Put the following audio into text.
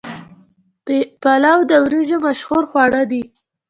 پلاو د وریجو مشهور خواړه دي.